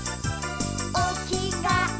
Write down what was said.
「おきがえ